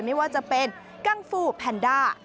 ไม่ว่าจะเป็นกังฟูแพนด้า